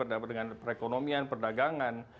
dengan perekonomian perdagangan